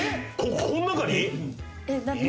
この中に？